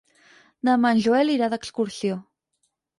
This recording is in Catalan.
Demà en Joel irà d'excursió.